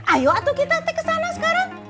ayo atuh kita teh kesana sekarang